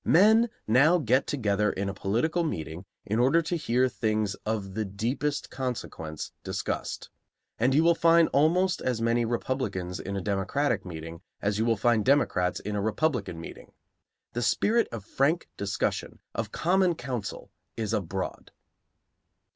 Men now get together in a political meeting in order to hear things of the deepest consequence discussed. And you will find almost as many Republicans in a Democratic meeting as you will find Democrats in a Republican meeting; the spirit of frank discussion, of common counsel, is abroad.